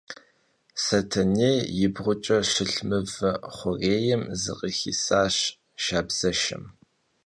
Setenêy yibğuç'e şılh mıve xhurêym zıkhıxisaş şşabzeşşem.